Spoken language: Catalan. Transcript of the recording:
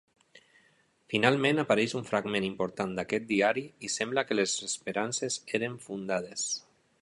Finalment apareix un fragment important d'aquest diari i sembla que les esperances eren fundades.